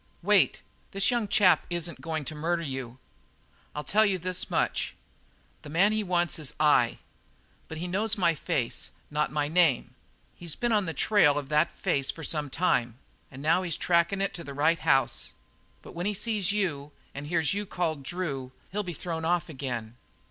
"Wait. This young chap isn't going to murder you. I'll tell you this much. The man he wants is I; but he knows my face, not my name. He's been on the trail of that face for some time, and now he's tracking it to the right house; but when he sees you and hears you called Drew, he'll be thrown off again."